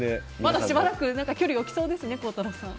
まだしばらく距離を置きそうですね